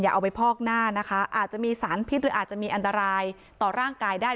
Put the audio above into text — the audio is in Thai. เอาไปพอกหน้านะคะอาจจะมีสารพิษหรืออาจจะมีอันตรายต่อร่างกายได้